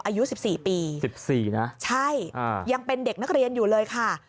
อายุ๑๔ปี๑๔นะใช่ยังเป็นเด็กนักเรียนอยู่เลยค่ะ